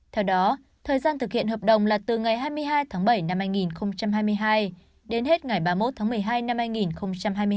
theo đó thời gian thực hiện hợp đồng là từ ngày hai mươi hai tháng bảy năm hai nghìn hai mươi hai đến hết ngày ba mươi một tháng một mươi hai năm hai nghìn hai mươi hai